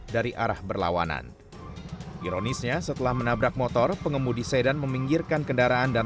dari arah berlawanan ironisnya setelah menabrak motor pengemudi sedan meminggirkan kendaraan dan